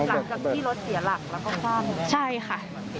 หลังจากที่รถเสียหลักแล้วก็คว่ำใช่ค่ะ